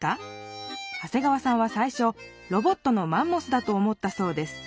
長谷川さんはさいしょロボットのマンモスだと思ったそうです。